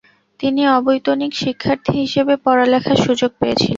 তিনি অবৈতনিক শিক্ষার্থী হিসেবে পড়ালেখার সুযোগ পেয়েছিলেন।